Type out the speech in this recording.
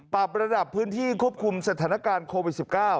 ปรับระดับพื้นที่ควบคุมสถานการณ์โควิด๑๙